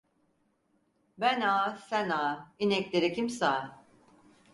Ben ağa, sen ağa! İnekleri kim sağa?